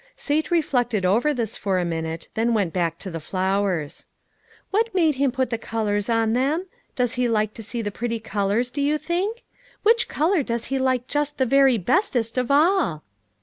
Sate reflected over this for a minute, then went back to the flowers. "What made Him put the colors on them? Does He like to see pretty colors, do you sink? Which color does He like just the very bestest of all?"